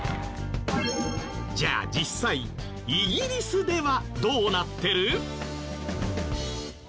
じゃあ実際イギリスではどうなってる？